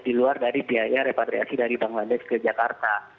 di luar dari biaya repatriasi dari bangladesh ke jakarta